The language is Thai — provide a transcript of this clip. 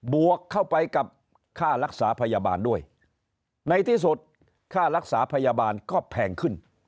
วกเข้าไปกับค่ารักษาพยาบาลด้วยในที่สุดค่ารักษาพยาบาลก็แพงขึ้น